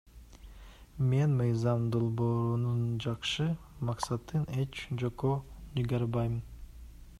Мен мыйзам долбоорунун жакшы максатын эч жокко чыгарбайм.